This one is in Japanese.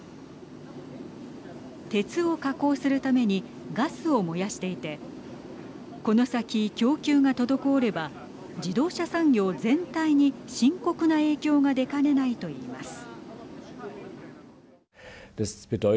鉄を加工するためにガスを燃やしていてこの先、供給が滞れば自動車産業全体に深刻な影響が出かねないといいます。